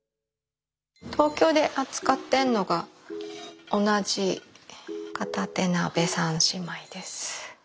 東京で扱ってるのが同じ片手鍋三姉妹です。